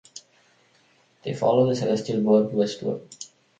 They follow the celestial bird westward.